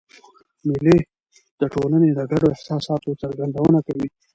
مېلې د ټولني د ګډو احساساتو څرګندونه کوي.